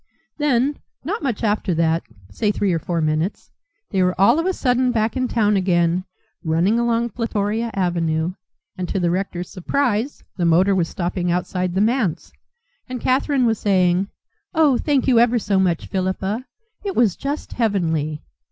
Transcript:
Then, not much after that, say three or four minutes, they were all of a sudden back in town again, running along Plutoria Avenue, and to the rector's surprise the motor was stopping outside the manse, and Catherine was saying, "Oh, thank you ever so much, Philippa; it was just heavenly!"